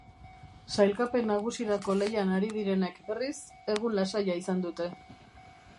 Sailkapen nagusirako lehian ari direnek, berriz, egun lasaia izan dute.